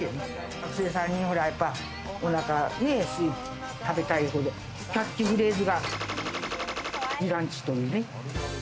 学生さんにはやっぱおなか、食べたいほどキャッチフレーズが○○ランチというね。